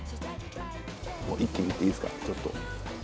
一気にいっていいですかちょっと。